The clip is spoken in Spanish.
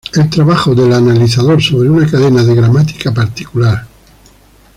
El trabajo del analizador sobre una cadena de gramática particular.